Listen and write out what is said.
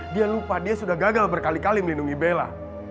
dia lupa dia sudah gagal berkali kali melindungi bella